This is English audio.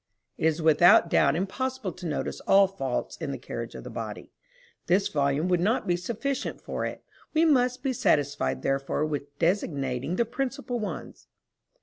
It is without doubt impossible to notice all faults in the carriage of the body. This volume would not be sufficient for it; we must be satisfied therefore with designating the principal ones.